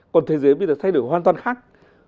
còn thế giới bây giờ thay đổi hoàn toàn khác